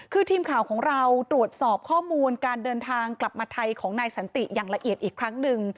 คือทีมข่าวของเราตรวจสอบข้อมูลการเดินทางกลับมาไทยของนายสันติอย่างละเอียดอีกครั้งหนึ่ง